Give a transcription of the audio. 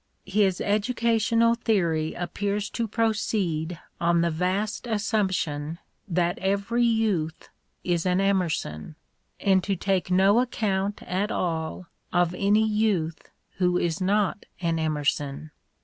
His educational theory appears to proceed on the vast assumption that every youth is an Emerson, and to take no account at all of any youth who is not an Emerson.